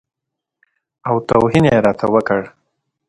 او توهین یې راته وکړ.